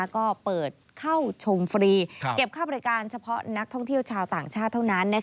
ก็เปิดเข้าชมฟรีเก็บค่าบริการเฉพาะนักท่องเที่ยวชาวต่างชาติเท่านั้น